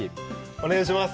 お願いします。